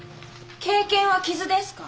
経験は傷ですか？